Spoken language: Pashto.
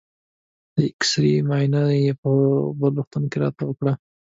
د اېکسرې معاینه یې په بل روغتون کې راته وکړه.